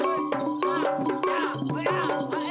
helo pak dan hai pak